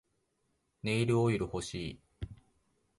ネイルオイル欲しい